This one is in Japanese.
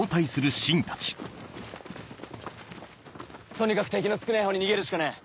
とにかく敵の少ねえほうに逃げるしかねえ！